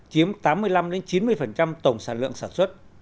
chiếm tám mươi năm chín mươi tổng sản lượng sản xuất